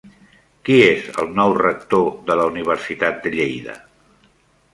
Qui és el nou rector de la Universitat de Lleida?